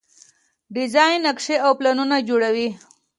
ډیزاین نقشې او پلانونه جوړوي.